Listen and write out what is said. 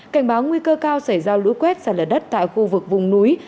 cảnh báo nguy cơ cao xảy ra lũ quét xảy ra đất tại khu vực vùng núi